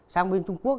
sang bên trung quốc